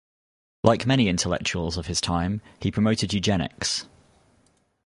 Like many intellectuals of his time, he promoted eugenics.